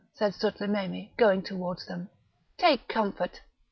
said Sutlememe, going towards them, "take comfort!